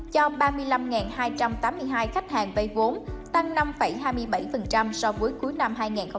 cho ba mươi năm hai trăm tám mươi hai khách hàng vay vốn tăng năm hai mươi bảy so với cuối năm hai nghìn hai mươi ba